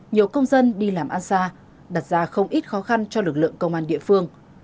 nhiều công dân đi làm ăn xa đặt ra không ít khó khăn cho lực lượng công an địa phương